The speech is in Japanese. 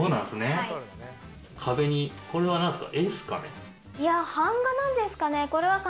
壁に、これはなんですか？